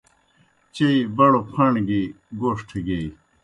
چیئی بڑوْ پھاݨ گیْ گوݜٹھہ گیئی۔